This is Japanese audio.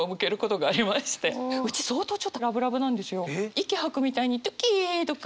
息吐くみたいに「とぅきー」とか。